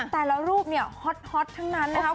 แต่ละรูปเนี่ยฮอตทั้งนั้นนะครับ